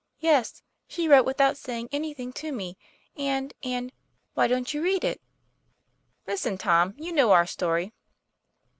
Yes; she wrote without saying anything to me; and, and why don't you read it ?"' Listen, Tom ; you know our story.